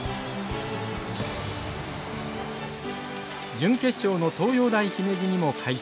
準決勝の東洋大姫路にも快勝。